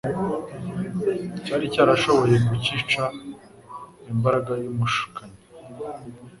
cyari cyarashoboye gucika imbaraga y'umushukanyi.